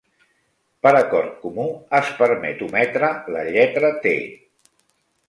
Per acord comú es permet ometre la lletra "T".